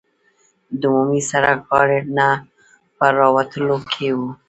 د عمومي سړک غاړې ته په راوتلو کې وو.